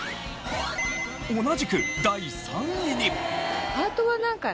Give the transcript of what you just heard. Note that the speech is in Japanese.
同じく第３位に。